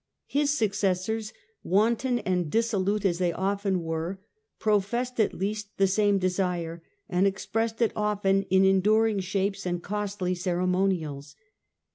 His suc cessors, wanton and dissolute as they often were, pro fessed at least the same desire, and expressed it often in enduring shapes and costly ceremonials.